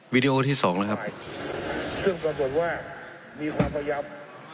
วีดีโอที่สองแล้วครับซึ่งก็บทว่ามีความพยพ